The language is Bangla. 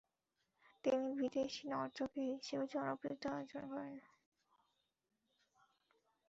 তিনি বিদেশী নর্তকী হিসাবে জনপ্রিয়তা অর্জন করেন।